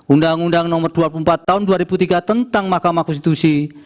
undang undang nomor dua puluh empat tahun dua ribu tiga tentang mahkamah konstitusi